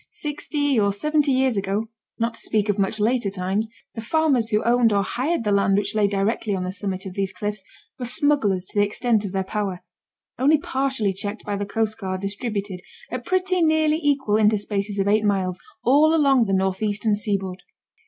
Sixty or seventy years ago (not to speak of much later times) the farmers who owned or hired the land which lay directly on the summit of these cliffs were smugglers to the extent of their power, only partially checked by the coast guard distributed, at pretty nearly equal interspaces of eight miles, all along the north eastern seaboard.